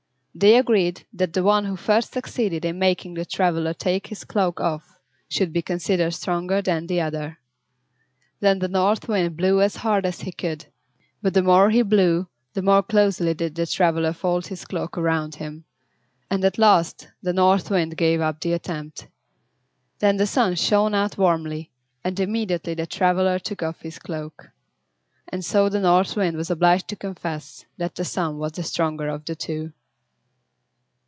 They agreed that the one who first succeeded in making the traveler take his cloak off should be considered stronger than the other. Then the North Wind blew as hard as he could, but the more he blew the more closely did the traveler fold his cloak around him; and at last the North Wind gave up the attempt. Then the Sun shined out warmly, and immediately the traveler took off his cloak. And so the North Wind was obliged to confess that the Sun was the stronger of the two.